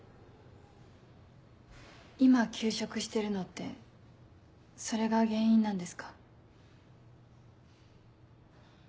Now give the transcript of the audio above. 今休職してるのってそれが原因なんですか？